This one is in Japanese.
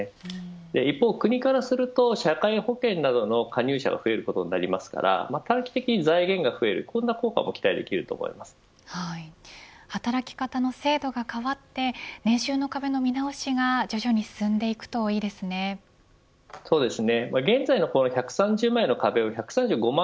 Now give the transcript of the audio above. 一方国からすると社会保険などの加入者が増えることになりますから短期的に財源が増える効果も働き方の制度が変わって年収の壁の見直しが徐々に進んでいくといいですね。